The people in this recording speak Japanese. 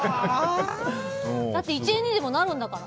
だって、１円にでもなるんだから。